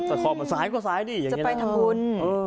ตะครอบมันสายก็สายดิจะไปทำบุญ